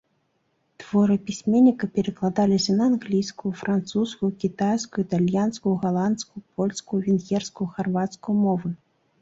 Творы пісьменніка перакладаліся на англійскую, французскую, кітайскую, італьянскую, галандскую, польскую, венгерскую, харвацкую мовы.